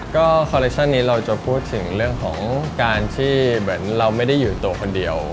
ก็คอลเลคชั่นนี้เราจะพูดถึงเรื่องของการที่เหมือนเราไม่ได้อยู่ตัวคนเดียว